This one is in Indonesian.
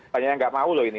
banyak yang nggak mau loh ini